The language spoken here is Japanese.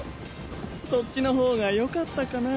そっちの方がよかったかなぁ？